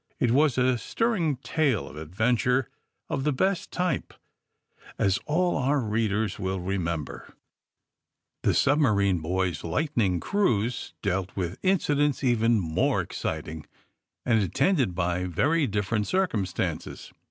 It was a stirring tale of adventure of the best type, as all our readers will remember. The Submarine Boys' Lightning Cruise^' dealt with incidents even more exciting and at tended by very different circumstances.